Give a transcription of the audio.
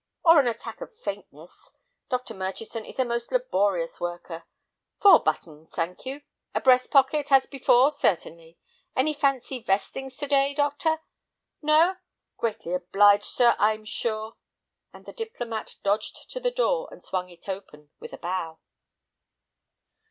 "Or an attack of faintness. Dr. Murchison is a most laborious worker. Four buttons, thank you; a breast pocket, as before, certainly. Any fancy vestings to day, doctor? No! Greatly obliged, sir, I'm sure," and the diplomat dodged to the door and swung it open with a bow.